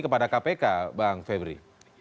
kepada kpk bang febri